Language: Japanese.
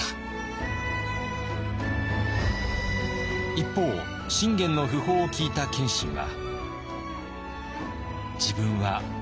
一方信玄の訃報を聞いた謙信は。